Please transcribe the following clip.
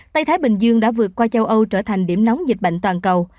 tây thái bình dương đã vượt qua châu âu trở thành điểm nóng dịch bệnh toàn cầu